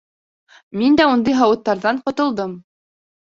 Мин дә ундай һауыттарҙан ҡотолдом.